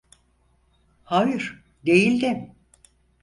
Hayır, değildim.